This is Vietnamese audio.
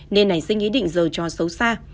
nên hành sinh ý định dở trò xấu xa